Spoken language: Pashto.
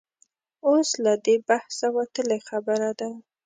اوس له دې بحثه وتلې خبره ده.